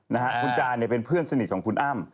คุณจาเป็นเพื่อนสนิทของคุณอ้ำ